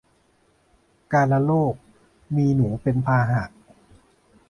กาฬโรค มีหนูเป็นพาหะ